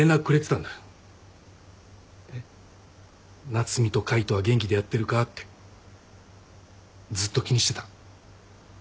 夏海と海斗は元気でやってるかってずっと気にしてた。